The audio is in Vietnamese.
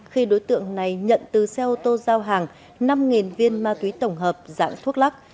khi đối tượng này nhận từ xe ô tô giao hàng năm viên ma túy tổng hợp dạng thuốc lắc